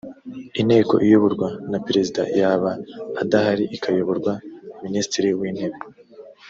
inteko iyoborwa na perezida yaba adahari ikayoborwa minisitiri w’ intebe